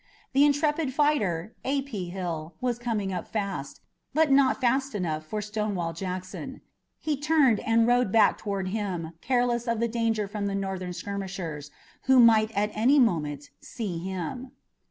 The intrepid fighter, A. P. Hill, was coming up fast, but not fast enough for Stonewall Jackson. He turned and rode back toward him, careless of the danger from the Northern skirmishers, who might at any moment see him.